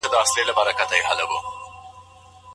استراحت د ناروغ لپاره ولي مهم دی؟